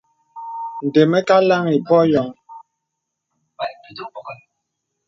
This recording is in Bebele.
Ndə mə kà laŋì pɔ̄ɔ̄ yɔŋ.